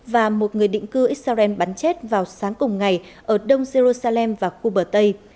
và một người định cư israel bắn chết vào sáng cùng ngày ở đông jerusalem và khu bờ tây